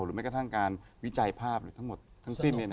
แม้กระทั่งการวิจัยภาพหรือทั้งหมดทั้งสิ้น